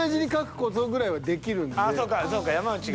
ああそうかそうか山内が。